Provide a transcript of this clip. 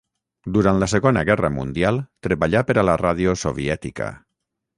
Durant la segona guerra mundial treballà per a la Ràdio Soviètica.